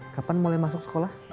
kapan mulai masuk sekolah